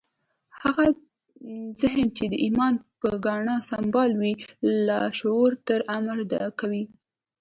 هغه ذهن چې د ايمان په ګاڼه سمبال وي لاشعور ته امر کوي.